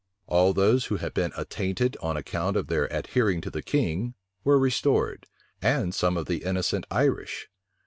All those who had been attainted on account of their adhering to the king, were restored; and some of the innocent Irish.